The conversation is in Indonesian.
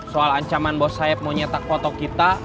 soal ancaman bos sayap mau nyetak foto kita